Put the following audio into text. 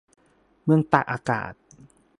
เมืองตากอากาศ